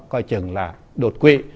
coi chừng là đột quy